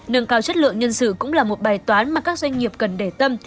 nâng cao chất lượng nhân sự cũng là một bài toán mà các doanh nghiệp cần để tâm